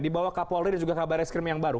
di bawah kapolri dan juga kabar reskrim yang baru